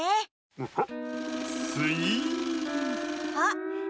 ウホッ。